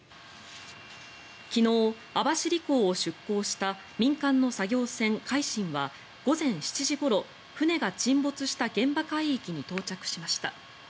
昨日、網走港を出港した民間の作業船「海進」は午前７時ごろ、船が沈没した現場海域に到着しました。